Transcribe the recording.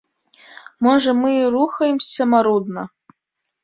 Можа, мы і рухаемся марудна?